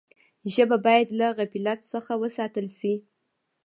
ژبه باید له غفلت څخه وساتل سي.